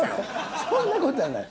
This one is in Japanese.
そんなことはない。